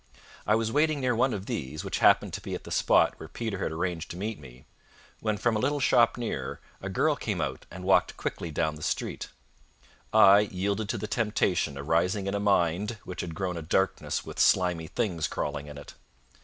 I was waiting near one of these, which happened to be at the spot where Peter had arranged to meet me, when from a little shop near a girl came out and walked quickly down the street. I yielded to the temptation arising in a mind which had grown a darkness with slimy things crawling in it.